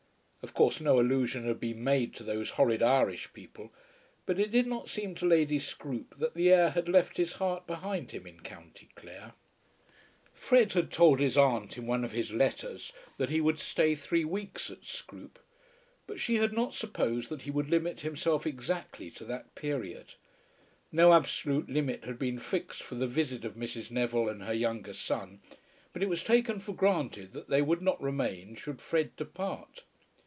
Of course no allusion had been made to those horrid Irish people, but it did not seem to Lady Scroope that the heir had left his heart behind him in Co. Clare. Fred had told his aunt in one of his letters that he would stay three weeks at Scroope, but she had not supposed that he would limit himself exactly to that period. No absolute limit had been fixed for the visit of Mrs. Neville and her younger son, but it was taken for granted that they would not remain should Fred depart.